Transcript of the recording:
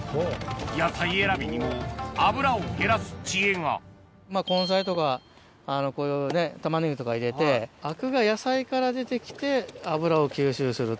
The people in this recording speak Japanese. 野菜選びにも脂を減らす知恵がまぁ根菜とかこういうタマネギとか入れて灰汁が野菜から出て来て脂を吸収すると。